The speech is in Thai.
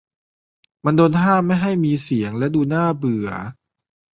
มันโดนห้ามไม่ให้มีเสียงและดูน่าเบื่อ